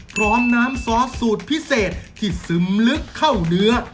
พร้อมน้ำซอสสูตรพิเศษที่ซึมลึกเข้าเนื้อ